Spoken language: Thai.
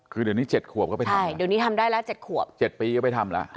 คือเดี๋ยวนี้๗ขวบก็ไปทำใช่เดี๋ยวนี้ทำได้แล้ว๗ขวบ๗ปีก็ไปทำแล้ว